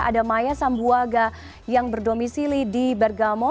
ada maya sambuaga yang berdomisili di bergamo